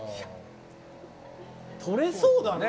とれそうだね。